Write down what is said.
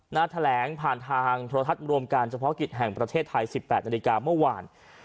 แถลงผ่านทางโทรทัศน์รวมการเฉพาะกิจแห่งประเทศไทย๑๘นาฬิกาเมื่อวาน